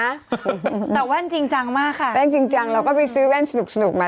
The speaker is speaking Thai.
แต่แว่นจริงจังมากค่ะแว่นจริงจังเราก็ไปซื้อแว่นสนุกมา